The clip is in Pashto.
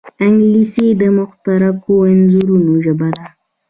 انګلیسي د متحرکو انځورونو ژبه ده